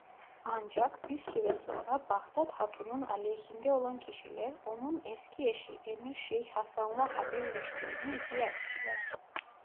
Ancak bir süre sonra Bağdat Hatun'un aleyhinde olan kişiler onun eski eşi Emir Şeyh Hasan'la haberleştiğini iddia ettiler.